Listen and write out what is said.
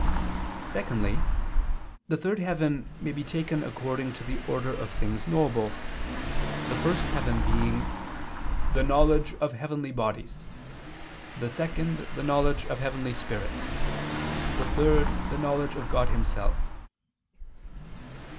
Secondly, the third heaven may be taken according to the order of things knowable, the first heaven being "the knowledge of heavenly bodies, the second the knowledge of heavenly spirits, the third the knowledge of God Himself."